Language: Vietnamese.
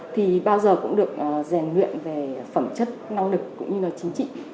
thì bao giờ cũng được rèn luyện về phẩm chất năng lực cũng như là chính trị